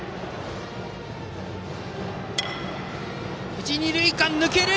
一、二塁間を抜ける！